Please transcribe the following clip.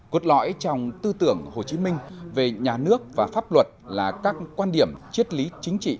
cốt lõi trong tư tưởng hồ chí minh về nhà nước và pháp luật là các quan điểm chiết lý chính trị